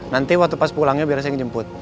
nanti waktu pas pulangnya biar saya ngejemput